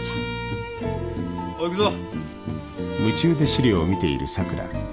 おい行くぞ。